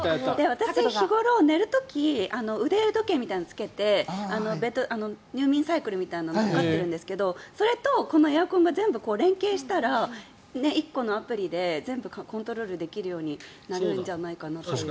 私、日頃、寝る時腕時計みたいなのを着けて入眠サイクルみたいなのを測っているんですけどそれと、このエアコンが全部連携したら１個のアプリで全部コントロールできるようになるんじゃないかなと。